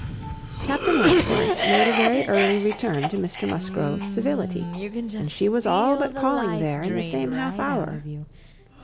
Captain Wentworth made a very early return to Mr Musgrove's civility, and she was all but calling there in the same half hour.